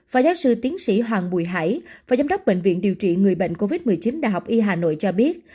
phó giáo sư tiến sĩ hoàng bùi hải và giám đốc bệnh viện điều trị người bệnh covid một mươi chín đh y hà nội cho biết